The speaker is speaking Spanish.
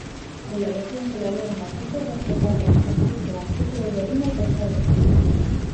En la región se elaboran aceites vegetales, confites, artículos de harina y conservas.